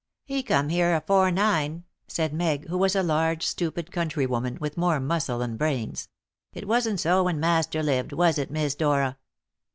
"He come here afore nine," said Meg, who was a large, stupid countrywoman, with more muscle than brains; "it wasn't so when master lived, was it, Miss Dora?"